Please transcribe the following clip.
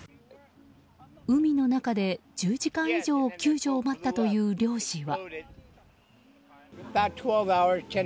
海の中で１０時間以上救助を待ったという漁師は。